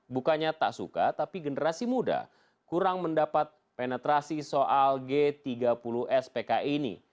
bukannya tak suka tapi generasi muda kurang mendapat penetrasi soal g tiga puluh spki ini